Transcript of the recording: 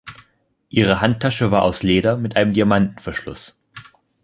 Ihre Handtasche war aus Leder, mit einem Diamantenverschluss.